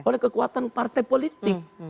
oleh kekuatan partai politik